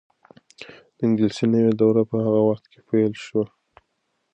د انګلیسي نوې دوره په هغه وخت کې پیل شوې وه.